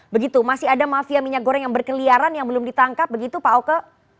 begitu masih ada mafia minyak goreng yang berkeliaran yang belum ditangkap begitu pak oke